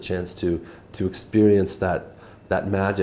thì nó sẽ giúp tôi